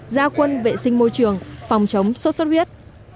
gia quân vệ sinh môi trường phòng chống sốt xuất huyết